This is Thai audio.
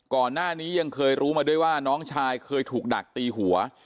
ก่อนหน้านี้ยังเคยรู้มาด้วยว่าน้องชายเคยถูกดักตีหัว